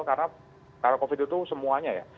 karena covid itu semuanya ya